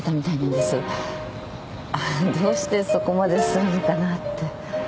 どうしてそこまでするのかなって。